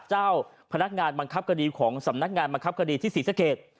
เจ้าพนักงานบังคับคดีของสำนักงานบังคับคดีที่ศรีสะเกด